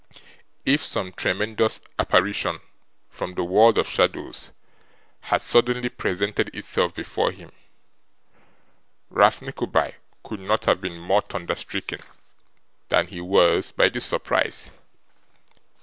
If some tremendous apparition from the world of shadows had suddenly presented itself before him, Ralph Nickleby could not have been more thunder stricken than he was by this surprise.